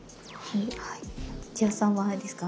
土屋さんはあれですか？